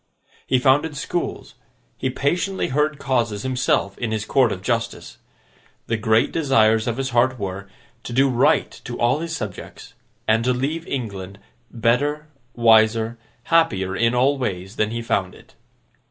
He founded schools; he patiently heard causes himself in his Court of Justice; the great desires of his heart were, to do right to all his subjects, and to leave England better, wiser, happier in all ways, than he found it.